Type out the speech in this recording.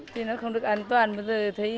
thì nó không được an toàn bây giờ